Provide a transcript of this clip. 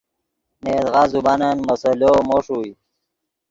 نے یدغا زبانن مسئلو مو ݰوئے